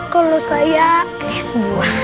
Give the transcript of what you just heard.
kalau saya es buah